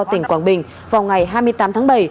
tỉnh quảng bình vào ngày hai mươi tám tháng bảy